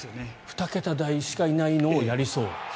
２桁台しかいないのをやりそう。